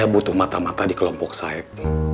saya butuh mata mata di kelompok saib